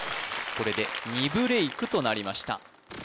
これで２ブレイクとなりました